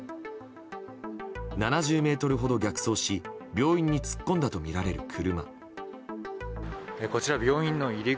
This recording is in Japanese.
７０ｍほど逆走し病院に突っ込んだとみられる車。